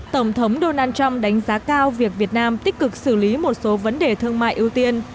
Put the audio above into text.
tổng thống donald trump đánh giá cao việc việt nam tích cực xử lý một số vấn đề thương mại ưu tiên